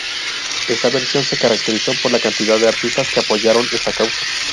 Esta versión se caracterizó por la cantidad de artistas que apoyaron esta causa.